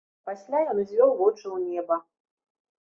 Пасля ён узвёў вочы ў неба.